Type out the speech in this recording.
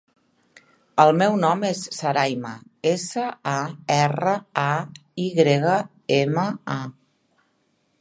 El meu nom és Sarayma: essa, a, erra, a, i grega, ema, a.